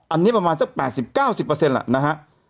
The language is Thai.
อันนี้ประมาณ๘๐๙๐ล่ะนะฮะ